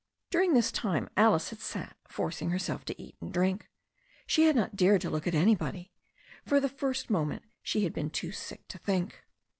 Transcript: During this time Alice had sat forcing herself to eat and drink. She had not dared to look at anybody. For the first moment she had been too sick to think.